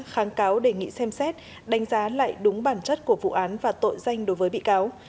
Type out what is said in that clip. kháng cáo đề nghị xem xét đánh giá lại đúng bản chất của vụ án và tội danh đối với bị cáo